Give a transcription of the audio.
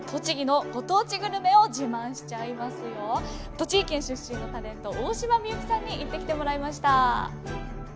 栃木県出身のタレント大島美幸さんに行ってきてもらいました。